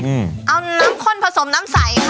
เอาน้ำข้นผสมน้ำใสค่ะ